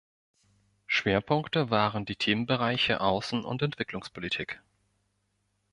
Schwerpunkte waren die Themenbereiche Außen- und Entwicklungspolitik.